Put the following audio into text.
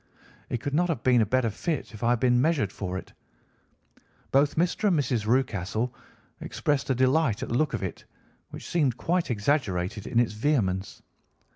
It could not have been a better fit if I had been measured for it. Both Mr. and Mrs. Rucastle expressed a delight at the look of it, which seemed quite exaggerated in its vehemence.